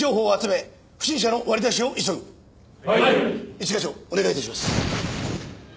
一課長お願い致します。